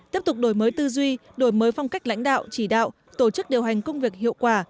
tiếp tục đổi mới tư duy đổi mới phong cách lãnh đạo chỉ đạo tổ chức điều hành công việc hiệu quả